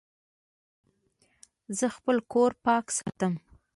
زه خپل کور پاک ساتم.